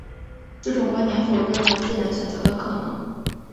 这种观点否认了自然选择的可能。